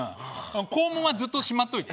肛門はずっとしまっといて。